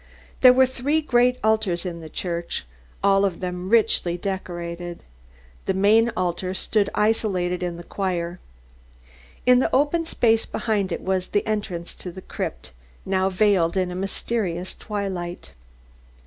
There were three great altars in the church, all of them richly decorated. The main altar stood isolated in the choir. In the open space behind it was the entrance to the crypt, now veiled in a mysterious twilight.